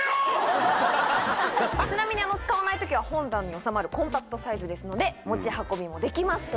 ちなみに使わない時は本棚に収まるコンパクトサイズですので持ち運びもできますという。